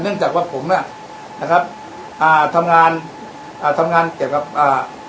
จากว่าผมเนี้ยนะครับอ่าทำงานอ่าทำงานเกี่ยวกับอ่า